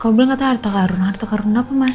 kau belum kata harta karun harta karun apa mas